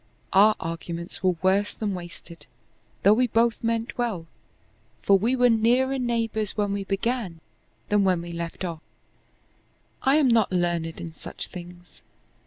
Our arguments were worse than wasted, though we both meant well, for we were nearer neighbors when we began than when we left off. I am not learned in such things.